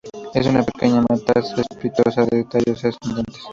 Es una pequeña mata cespitosa de tallos ascendentes.